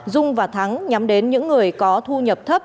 dung và thắng nhắm đến những người có thu nhập thấp